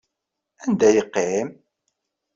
Anda yeqqim?